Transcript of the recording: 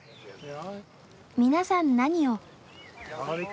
皆さん何を？